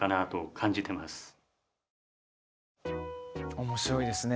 おもしろいですね。